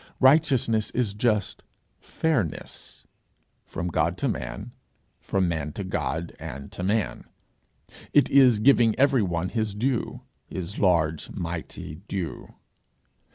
Righteousness is just fairness from God to man, from man to God and to man; it is giving every one his due his large mighty due.